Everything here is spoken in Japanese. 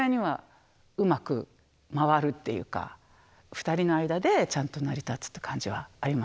２人の間でちゃんと成り立つっていう感じはありますよね。